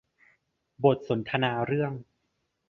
บทสนทนาเรื่อง